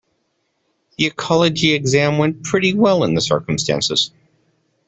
The ecology exam went pretty well in the circumstances.